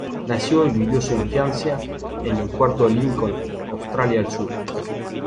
Nació y vivió su infancia en el Puerto de Lincoln, Australia del sur.